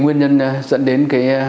nguyên nhân dẫn đến